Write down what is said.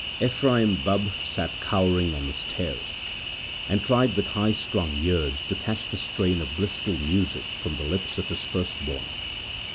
Ephraim Bubb sat cowering on the stairs, and tried with high strung ears to catch the strain of blissful music from the lips of his first born.